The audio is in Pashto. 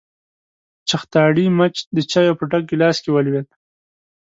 چختاړي مچ د چايو په ډک ګيلاس کې ولوېد.